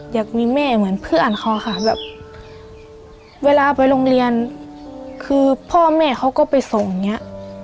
อยากมีแม่เหมือนเพื่อนเขาค่ะแบบเวลาไปโรงเรียนคือพ่อแม่เขาก็ไปส่งอย่างนี้